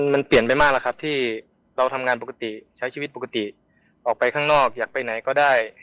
มันเปลี่ยนไปมากแล้วครับที่เราทำงานปกติใช้ชีวิตปกติออกไปข้างนอกอยากไปไหนก็ได้